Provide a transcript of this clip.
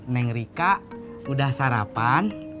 neng rika udah sarapan